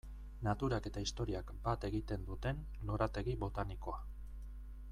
Naturak eta historiak bat egiten duten lorategi botanikoa.